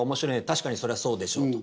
確かにそれはそうでしょうと。